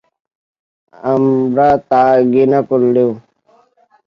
আমরা তা ঘৃণা করলেও?